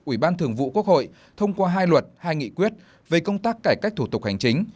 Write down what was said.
ủy ban thường vụ quốc hội thông qua hai luật hai nghị quyết về công tác cải cách thủ tục hành chính